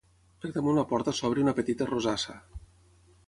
Per damunt la porta s'obre una petita rosassa.